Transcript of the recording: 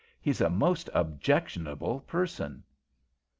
He's a most objectionable person.'